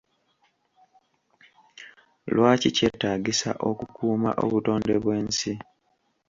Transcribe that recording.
Lwaki kyetaagisa okukuuma obutonde bw'ensi?